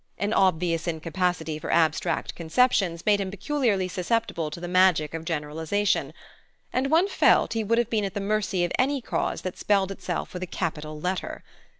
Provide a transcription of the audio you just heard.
An obvious incapacity for abstract conceptions made him peculiarly susceptible to the magic of generalization, and one felt he would have been at the mercy of any Cause that spelled itself with a capital letter.